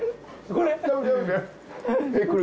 これ？